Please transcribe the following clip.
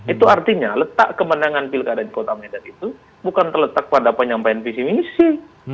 itu artinya letak kemenangan pilkada di kota medan itu bukan terletak pada penyampaian visi misi